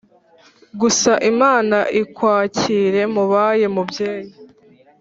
Gusa imana ikwakire mubayo mubyeyi